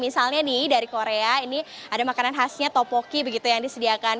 misalnya nih dari korea ini ada makanan khasnya topoki begitu yang disediakan